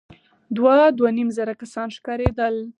دوه ، دوه نيم زره کسان ښکارېدل.